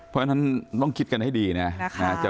เพราะฉะนั้นต้องคิดกันให้ดีนะ